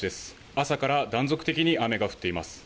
朝から断続的に雨が降っています。